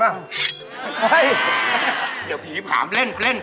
ราคาไม่แพง